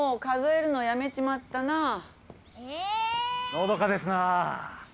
・のどかですなぁ。